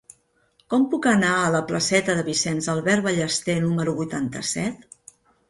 Com puc anar a la placeta de Vicenç Albert Ballester número vuitanta-set?